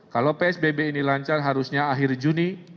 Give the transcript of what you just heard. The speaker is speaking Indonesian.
kalau psbb ini lancar harusnya akhir juni